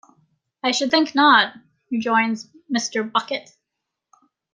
"I should think not," rejoins Mr. Bucket.